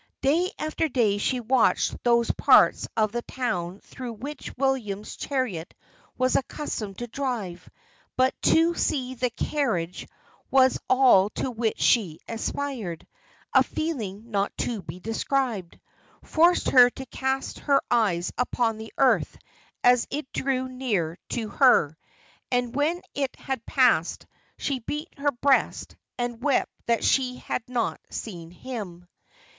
Day after day she watched those parts of the town through which William's chariot was accustomed to drive; but to see the carriage was all to which she aspired; a feeling, not to be described, forced her to cast her eyes upon the earth as it drew near to her; and when it had passed, she beat her breast, and wept that she had not seen him.